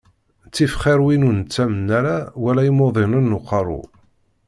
Ttif xiṛ win ur nettamen wala imuḍinen n uqeṛṛu.